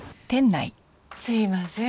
すみません。